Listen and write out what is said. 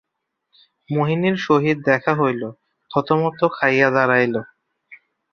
মোহিনীর সহিত দেখা হইল, থতমত খাইয়া দাঁড়াইল।